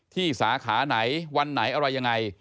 สาขาไหนวันไหนอะไรยังไง